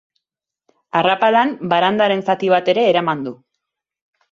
Arrapalan, barandaren zati bat ere eraman du.